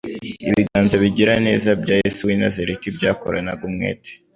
Ibiganza bigira neza bya Yesu w'i Nazareti byakoranaga umwete,